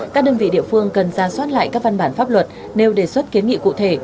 các đơn vị địa phương cần ra soát lại các văn bản pháp luật nêu đề xuất kiến nghị cụ thể